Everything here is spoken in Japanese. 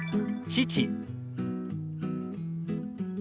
父。